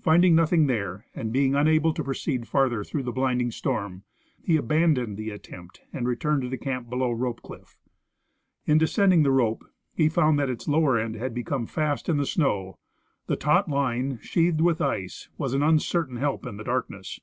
Finding nothing there, and being unable to proceed farther through the blinding storm, he aban doned the attempt and returned to the camp below Roj)e cliff. In descending the rope, he found that its lower end had become fast in the snow. The taut line, sheathed with ice, was an un certain help in the darkness.